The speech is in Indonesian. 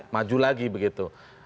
maju lagi begitu